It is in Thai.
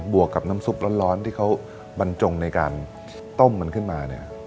วกกับน้ำซุปร้อนที่เขาบรรจงในการต้มมันขึ้นมาเนี่ย